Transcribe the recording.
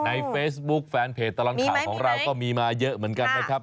ในเฟซบุ๊คแฟนเพจตลอดข่าวของเราก็มีมาเยอะเหมือนกันนะครับ